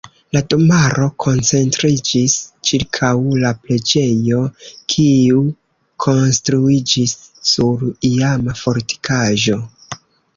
La domaro koncentriĝis ĉirkaŭ la preĝejo kiu konstruiĝis sur iama fortikaĵo.